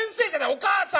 お母さん！